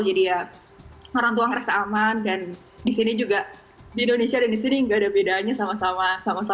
jadi ya orang tua ngerasa aman dan disini juga di indonesia dan disini nggak ada bedanya sama sama